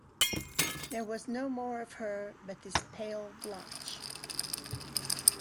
There was no more of her but this pale blotch.